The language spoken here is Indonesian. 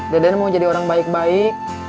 deden mau jadi orang baik baik